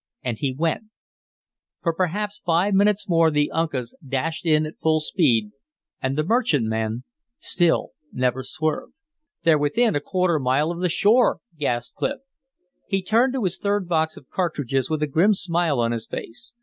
And he went; for perhaps five minutes more the Uncas dashed in at full speed, and the merchantman still never swerved. "They're within a quarter of a mile of the shore!" gasped Clif. He turned to his third box of cartridges with a grim smile on his face.